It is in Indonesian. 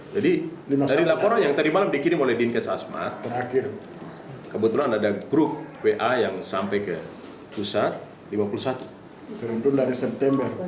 jadi dari laporan yang tadi malam dikirim oleh dinas kesehatan provinsi asmat kebetulan ada grup wa yang sampai ke pusat lima puluh satu